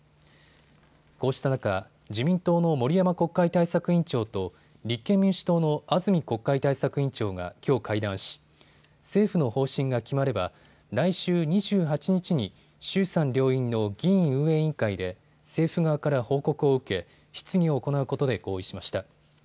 こうした中、自民党の森山国会対策委員長と立憲民主党の安住国会対策委員長がきょう会談し政府の方針が決まれば来週２８日に衆参両院の議員運営委員会で政府側から報告を受け、質疑を行うことで合意しました。